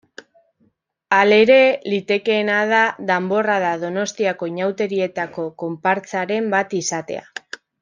Halere, litekeena da Danborrada Donostiako inauterietako konpartsaren bat izatea.